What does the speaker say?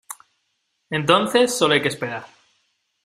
entonces solo hay que esperar.